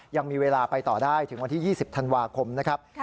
ยังมีเวลาไปต่อได้ถึงวันที่๒๐ธันวาคมนะครับ